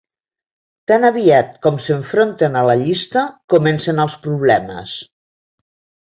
Tan aviat com s'enfronten a la llista comencen els problemes.